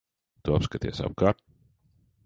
Tu apskaties apkārt.